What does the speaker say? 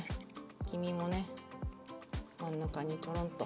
黄身もね真ん中にトロンと。